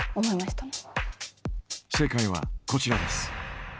正解はこちらです。